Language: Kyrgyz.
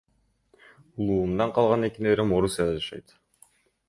Улуумдан калган эки неберем Орусияда жашайт.